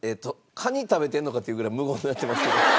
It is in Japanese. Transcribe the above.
カニ食べてるのかっていうぐらい無言になってますけど。